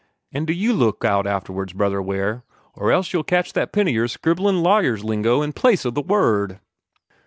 "An' do YOU look out afterwards, Brother Ware, or else you'll catch that pen o' yours scribblin' lawyer's lingo in place o' the Word."